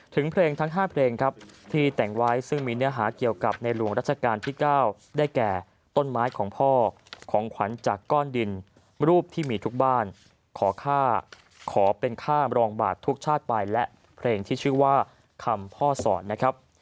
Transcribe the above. ถึงเพลงทั้ง๕เพลงครับที่แต่งไว้ซึ่งมีเนื้อหาเกี่ยวกับในหลวงรัชกาลที่๙ได้แก่ต้นไม้ของพ่อของขวัญจากก้อนดินรูปที่มีทุกบ้านขอค่าขอเป็นค่ารองบาททุกชาติไปและเพลงที่ชื่อว่าคำพ่อสอนนะครับ